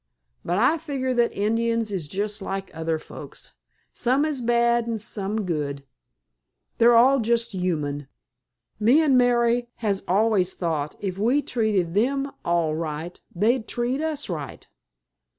But I figger that Indians is jest like other folks. Some is bad an' some good—they're all just human. Me an' Mary has always thought if we treated them all right they'd treat us right.